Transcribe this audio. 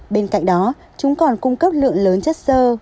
bên cạnh đó chúng còn cung cấp lượng lớn chất sơ